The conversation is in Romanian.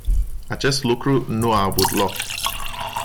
Acest lucru nu a avut loc.